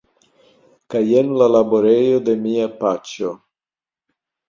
Kaj jen la laborejo de mia paĉjo.